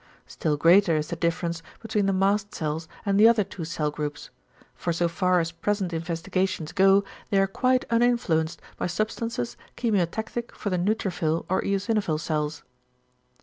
Still greater is the difference between the mast cells and the other two cell groups; for so far as present investigations go, they are quite uninfluenced by substances chemiotactic for the neutrophil or eosinophil cells.